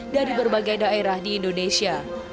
dari berbagai daerah di indonesia